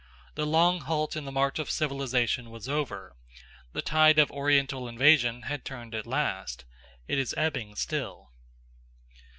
The long halt in the march of civilisation was over. The tide of Oriental invasion had turned at last. It is ebbing still.